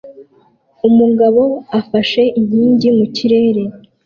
Umugabo afashe inkingi mu kirere